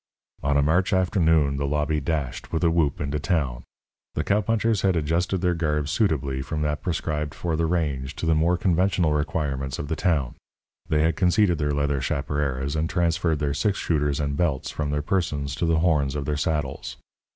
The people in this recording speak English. On a March afternoon the lobby dashed, with a whoop, into town. The cowpunchers had adjusted their garb suitably from that prescribed for the range to the more conventional requirements of town. They had conceded their leather chaparreras and transferred their six shooters and belts from their persons to the horns of their saddles.